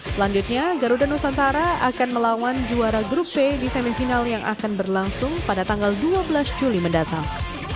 selanjutnya garuda nusantara akan melawan juara grup b di semifinal yang akan berlangsung pada tanggal dua belas juli mendatang